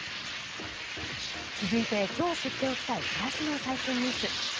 続いて今日知っておきたい暮らしの最新ニュース。